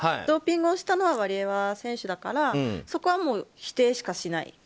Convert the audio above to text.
ドーピングをしたのはワリエワ選手だからそこはもう否定しかしない。